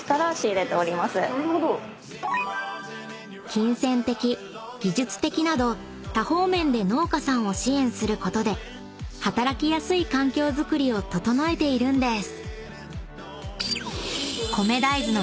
［金銭的技術的など多方面で農家さんを支援することで働きやすい環境づくりを整えているんです］